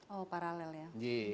oh paralel ya